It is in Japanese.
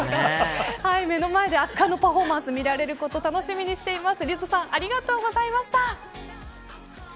目の前で圧巻のパフォーマンスを見られること楽しみにしています。